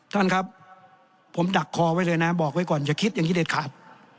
ท่านครับผมดักคอไว้เลยนะบอกไว้ก่อนอย่าคิดอย่างนี้เด็ดขาด